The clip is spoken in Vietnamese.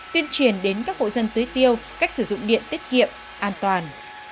điện chuyển đến các hội dân tưới tiêu cách sử dụng điện tiết kiệm an toàn